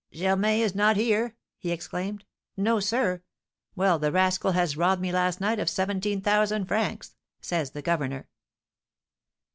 'Germain is not here?' he exclaimed. 'No, sir.' 'Well, the rascal has robbed me last night of seventeen thousand francs!' says the governor."